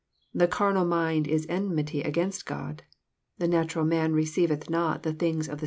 —" The carnal mind is enmity against God." —'^ The natural man receiveth not the things of the.